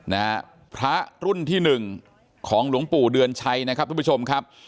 นะฮะพระรุ่นที่หนึ่งของหลวงปู่เดือนชัยนะครับทุกผู้ชมครับ